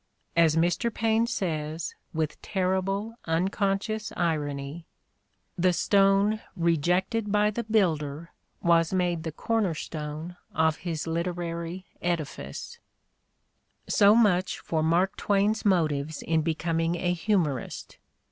As Mr. Paine says, with terrible, unconscious irony: "The stone rejected by the builder was made the corner stone of his literary edifice." In the Crucible 89 So much for Mark Twain's motives in becoming a humorist.